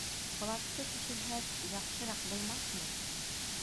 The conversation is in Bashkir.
Флагты төшөрһәк, яҡшыраҡ булмаҫмы?